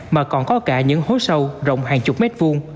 mà còn có cả những hố sâu rộng hàng chục mét vuông